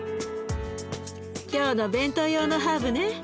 今日の弁当用のハーブね。